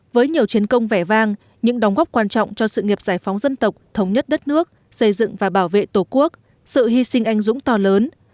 với nhiều chiến công vẻ vang những đóng góp quan trọng cho sự nghiệp giải phóng dân tộc thống nhất đất nước xây dựng và bảo vệ tổ quốc sự hy sinh anh dũng to lớn